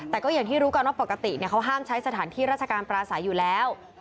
แต่ก็อย่างที่รู้กันว่าปกติเขาห้ามใช้สถานที่ราชการปราศัยอยู่แล้ว